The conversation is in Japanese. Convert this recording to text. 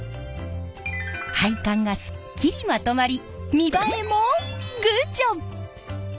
配管がすっきりまとまり見栄えもグッジョブ！